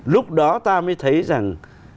lúc đó ta mới thấy rằng